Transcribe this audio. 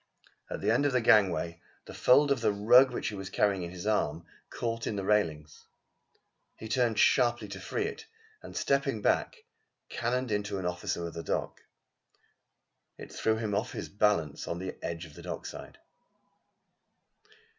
At the end of the gangway the fold of the rug which he was carrying on his arm, caught in the railings. He turned sharply to free it and stepping back, cannoned into an officer of the dock. It threw him off his balance on the edge of the dockside.